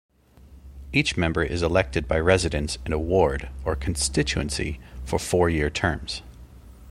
Each member is elected by residents in a "ward" or constituency for four-year terms.